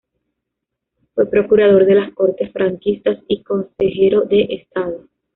Fue procurador de las Cortes franquistas y consejero de Estado.